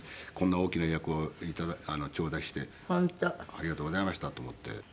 ありがとうございましたと思って。